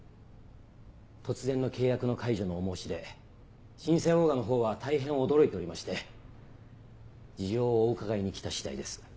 突然の契約の解除のお申し出神饌オーガのほうは大変驚いておりまして事情をお伺いに来た次第です。